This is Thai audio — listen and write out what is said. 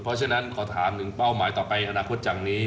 เพราะฉะนั้นขอถามถึงเป้าหมายต่อไปอนาคตจากนี้